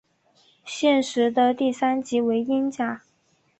现时的第三级为英甲。